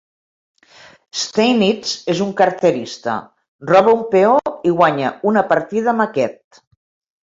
Steinitz és un carterista, roba un peó i guanya una partida amb aquest.